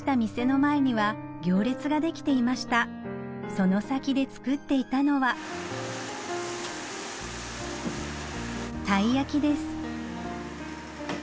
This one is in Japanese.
その先で作っていたのはたい焼きです